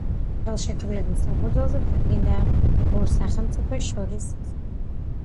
ხელშეკრულების საფუძველზე დადგინდა, ორ სახელმწიფოს შორის საზღვრები.